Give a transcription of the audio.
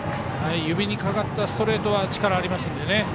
指にかかったストレートは力がありますのでね。